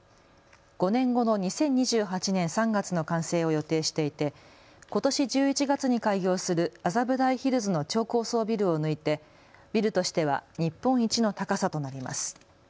５年後の２０２８年３月の完成を予定していてことし１１月に開業する麻布台ヒルズの超高層ビルを抜いてビルとしては日本一の高さとなります。